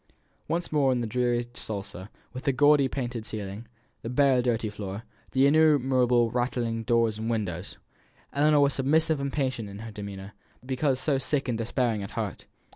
Once more in the dreary sala, with the gaudy painted ceiling, the bare dirty floor, the innumerable rattling doors and windows! Ellinor was submissive and patient in demeanour, because so sick and despairing at heart.